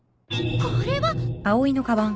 これは！